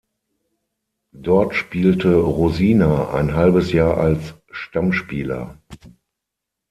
Dort spielte Rosina ein halbes Jahr als Stammspieler.